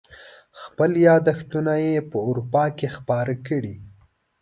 خپل یاداشتونه یې په اروپا کې خپاره کړي.